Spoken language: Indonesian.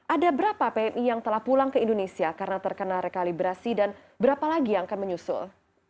ada berapa pmi yang telah pulang ke indonesia karena terkena rekalibrasi dan berapa lagi yang akan menyusul